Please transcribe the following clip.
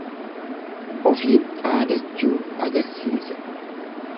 Ofiin dhaadachuu agarsiisa.